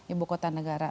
ibu kota negara